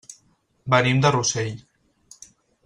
Venim de Rossell.